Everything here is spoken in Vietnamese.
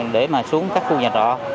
để mà xuống các khu nhà trọ